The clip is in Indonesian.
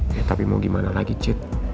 ya tapi mau gimana lagi cik